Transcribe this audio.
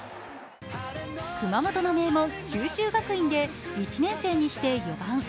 熊本の名門・九州学院で１年生にして４番。